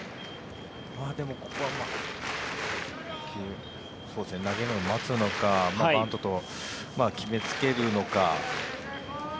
でも、ここは投げるのを待つのかバントと決めつけるのか。